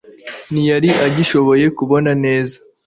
ntiyari agishoboye kubona neza